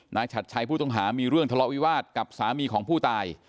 ฉัดชัยผู้ต้องหามีเรื่องทะเลาะวิวาสกับสามีของผู้ตาย